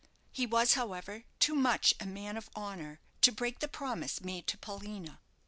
He was, however, too much a man of honour to break the promise made to Paulina.